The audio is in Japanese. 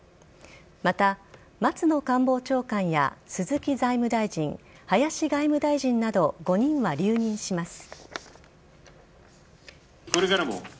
また、松野官房長官や鈴木財務大臣林外務大臣など５人は留任します。